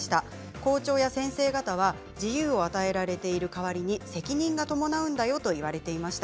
校長や先生方は自由を与えられている代わりに責任が伴うんだよと言われていました。